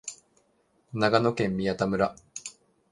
長野県宮田村